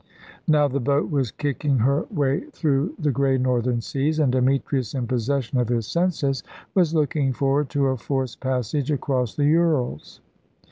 Now the boat was kicking her way through the grey northern seas, and Demetrius, in possession of his senses, was looking forward to a forced passage across the Urals.